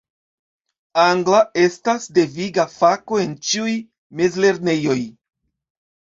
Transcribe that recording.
Angla estas deviga fako en ĉiuj mezlernejoj.